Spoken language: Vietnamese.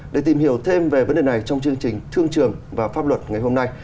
để tìm hiểu thêm về vấn đề này trong chương trình thương trường và pháp luật ngày hôm nay